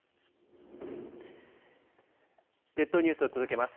列島ニュースを続けます。